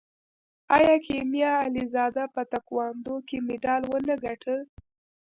آیا کیمیا علیزاده په تکواندو کې مډال ونه ګټه؟